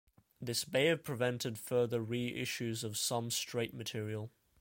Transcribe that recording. This may have prevented further re-issues of some Straight material.